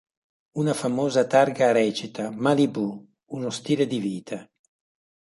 Una famosa targa recita: "Malibù: uno stile di vita".